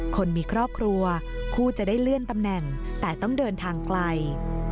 คนมีครอบครัวคู่จะได้เลื่อนตำแหน่งแต่ต้องเดินทางไกล